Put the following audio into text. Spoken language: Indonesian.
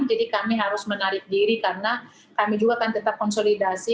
jadi kami harus menarik diri karena kami juga akan tetap konsolidasi